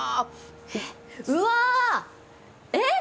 えっうわ！えっ！？